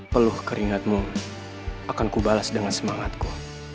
peluh keringatmu akan ku balas dengan semangatku